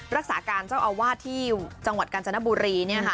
รักษาการเจ้าอาวาสที่จังหวัดกาญจนบุรี